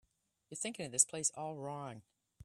You're thinking of this place all wrong.